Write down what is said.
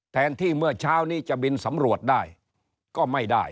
แทนที่เมื่อเช้านี้จะบินสำรวจได้ก็ไม่ได้